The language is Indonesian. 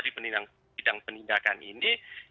di bidang penindakan ini